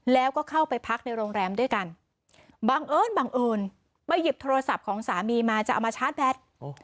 แล้วก็เข้าไปพักในโรงแรมด้วยกันบังเอิญบังเอิญไปหยิบโทรศัพท์ของสามีมาจะเอามาชาร์จแบต